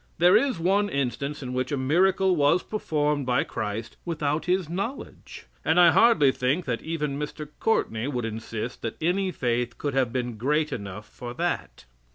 There is one instance in which a miracle was performed by Christ without His knowledge. And I hardly think that even Mr. Courtney would insist that any faith could have been great enough for that.